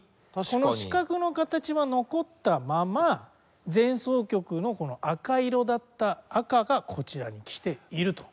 この四角の形は残ったまま前奏曲のこの赤色だった赤がこちらにきていると。